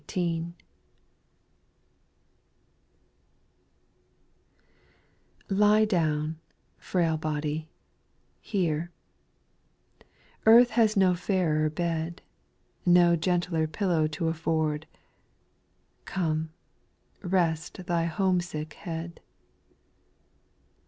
T IE down, frail body, here, JLi Earth has no fairer bed, No gentler pillow to afford, — Come, rest thy home sick head.